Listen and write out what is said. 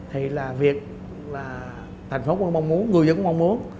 thì là việc là thành phố cũng mong muốn người dân cũng mong muốn